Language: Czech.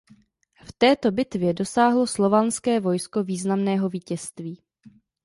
V této bitvě dosáhlo slovanské vojsko významného vítězství.